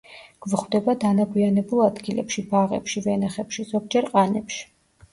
გვხვდება დანაგვიანებულ ადგილებში, ბაღებში, ვენახებში, ზოგჯერ ყანებში.